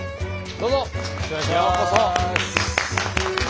どうぞようこそ。